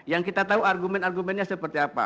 yang kita tahu argumen argumennya seperti apa